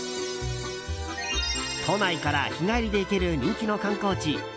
都内から日帰りで行ける人気の観光地